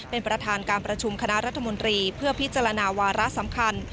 เป็นประธานการประชุมคณะรัฐมนตรีเพื่อพิจารณาวาระสำคัญ